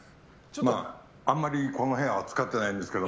あんまりこの部屋は使ってないんですけど。